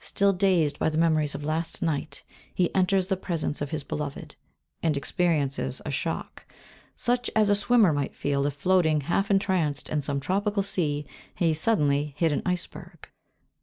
Still dazed by the memories of last night, he enters the presence of his beloved, and experiences a shock, such as a swimmer might feel, if floating, half entranced, in some tropic sea, he suddenly hit against an iceberg.